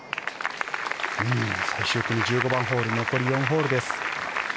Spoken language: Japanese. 最終組、１５番ホール残り４ホールです。